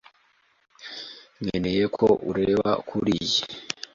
nkeneye ko ureba kuriyi.